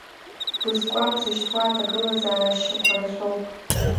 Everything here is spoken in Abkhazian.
Бызкуа бзышьҭуа аҭагылазаашьақәа рацәоуп.